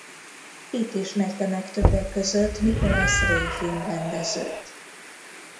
Itt ismerte meg többek között Nicholas Ray filmrendezőt.